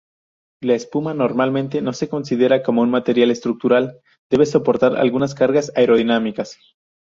La espuma, normalmente no considerada como un material estructural, debe soportar algunas cargas aerodinámicas.